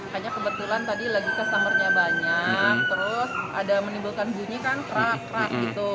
hanya kebetulan tadi lagi kesambernya banyak terus ada menimbulkan bunyi kan krak krak gitu